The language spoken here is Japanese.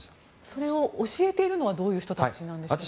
それを教えているのはどういう人たちなんでしょうか。